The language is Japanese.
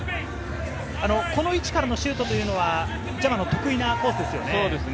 この位置からのシュートというのはジャマの得意なコースですよね。